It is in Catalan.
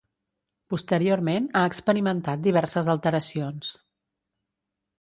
Posteriorment ha experimentat diverses alteracions.